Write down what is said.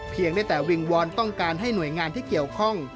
เพียงได้แต่วิงวอนต้องการให้หน่วยงานที่เกี่ยวข้อง